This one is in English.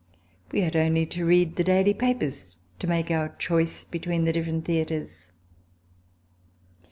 We had only to read the daily papers to make our choice between the different theatres.